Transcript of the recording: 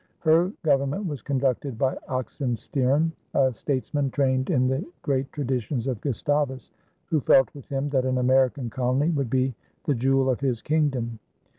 Her Government was conducted by Oxenstiern, a statesman trained in the great traditions of Gustavus, who felt with him that an American colony would be "the jewel of his kingdom."